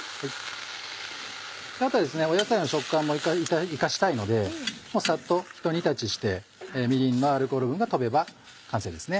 野菜の食感も生かしたいのでサッとひと煮立ちしてみりんのアルコール分が飛べば完成ですね。